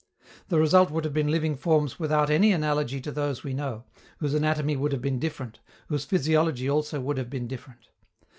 The result would have been living forms without any analogy to those we know, whose anatomy would have been different, whose physiology also would have been different.